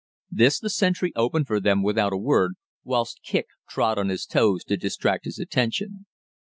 This the sentry opened for them without a word, whilst Kicq trod on his toes to distract his attention.